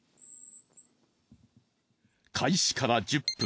開始から１０分。